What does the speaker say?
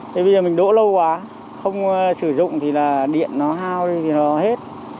thì bây giờ mình đỗ lâu quá không sử dụng thì là điện nó hao đi thì nó hết